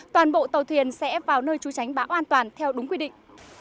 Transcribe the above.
toàn bộ tàu thuyền sẽ vào nơi trú tránh bão an toàn theo đúng quy định